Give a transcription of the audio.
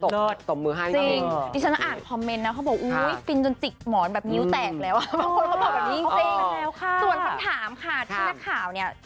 จริงดิฉันอ่านคอมเม้นต์นะเขาบอกฟินจนจิกหมอนแบบมิ้วแตกแล้วบางคนเขาบอกแบบนี้จริง